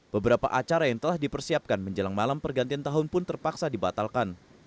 beberapa acara yang telah dipersiapkan menjelang malam pergantian tahun pun terpaksa dibatalkan